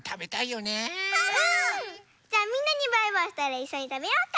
じゃあみんなにバイバイしたらいっしょにたべようか！